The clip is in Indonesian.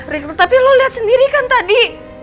rik tetapi lo lihat sendiri kan tadi